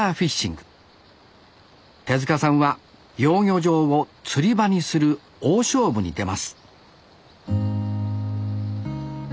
手さんは養魚場を釣り場にする大勝負に出ます